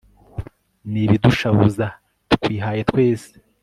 n'ibidushavuza, tukwihaye twese